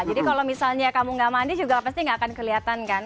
jadi kalau misalnya kamu gak mandi juga pasti gak akan kelihatan kan